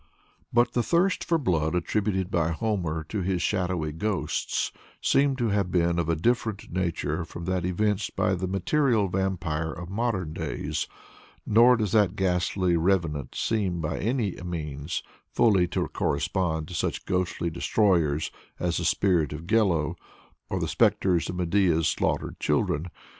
But the thirst for blood attributed by Homer to his shadowy ghosts seems to have been of a different nature from that evinced by the material Vampire of modern days, nor does that ghastly revenant seem by any means fully to correspond to such ghostly destroyers as the spirit of Gello, or the spectres of Medea's slaughtered children.